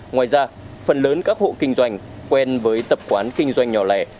ngoài ra phần lớn các hộ kinh doanh quen với tập quán kinh doanh nhỏ lẻ